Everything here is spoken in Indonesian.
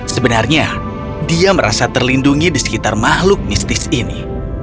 sebenarnya dia merasa terlindungi di sekitar makhluk mistis ini